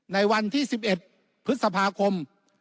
ในวันที่๑๑พฤษภาคม